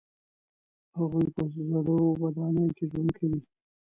هغوی په زړو ودانیو کې ژوند کوي.